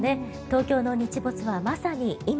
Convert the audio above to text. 東京の日没は、まさに今。